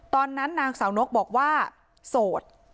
ตอนนั้นนางสาวนกบอกว่าโสด